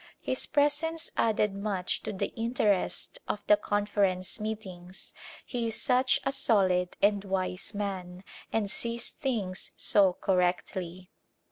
His presence added much to the interest of the Con ference meetings ; he is such a solid and wise man and sees things so correctly.